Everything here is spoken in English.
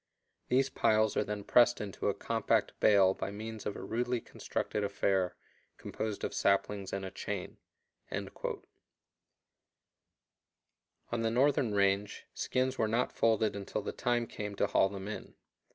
These piles are then pressed into a compact bale by means of a rudely constructed affair composed of saplings and a chain." On the northern range, skins were not folded until the time came to haul them in.